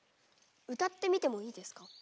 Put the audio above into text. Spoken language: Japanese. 歌ってみてもいいですか？